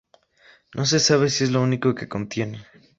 No se sabe si es lo único que contiene.